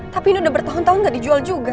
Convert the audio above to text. tapi ini udah bertahun tahun gak dijual juga